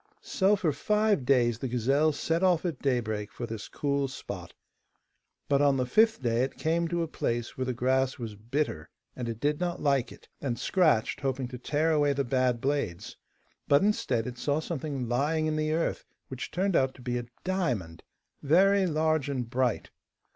So for five days the gazelle set off at daybreak for this cool spot, but on the fifth day it came to a place where the grass was bitter, and it did not like it, and scratched, hoping to tear away the bad blades. But, instead, it saw something lying in the earth, which turned out to be a diamond, very large and bright.